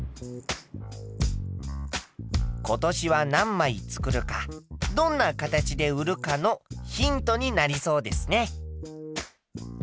今年は何枚作るかどんな形で売るかのヒントになりそうですね。